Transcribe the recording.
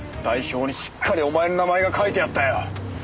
代表にしっかりお前の名前が書いてあったよ！